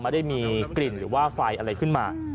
ไม่ได้มีกลิ่นหรือว่าไฟอะไรขึ้นมา